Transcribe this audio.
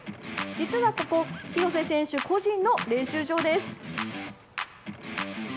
実はここ廣瀬選手個人の練習場です。